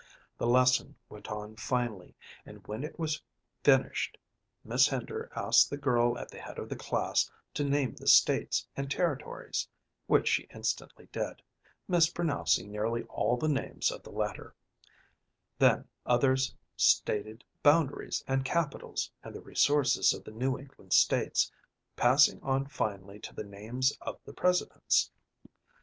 The lesson went on finely, and when it was finished Miss Hender asked the girl at the head of the class to name the States and Territories, which she instantly did, mispronouncing nearly all the names of the latter; then others stated boundaries and capitals, and the resources of the New England States, passing on finally to the names of the Presidents.